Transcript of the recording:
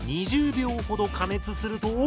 ２０秒ほど加熱すると。